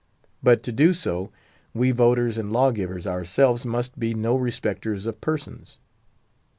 But to do so, we voters and lawgivers ourselves must be no respecters of persons.